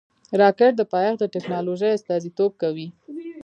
راکټ د پایښت د ټېکنالوژۍ استازیتوب کوي